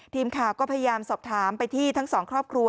ทีมข่าวก็พยายามสอบถามไปที่ทั้งสองครอบครัว